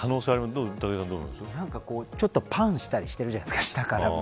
ちょっとパンしたりしてるじゃないですか。